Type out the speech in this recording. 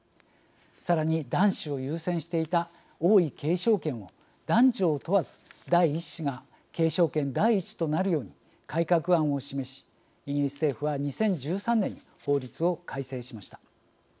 さらに男子を優先していた王位継承権を男女を問わず第１子が継承権第１位となるように改革案を示しイギリス政府は２０１３年に法律を改正しました。